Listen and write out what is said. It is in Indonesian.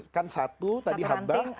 kan satu tadi habah